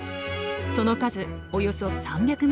その数およそ３００万種類。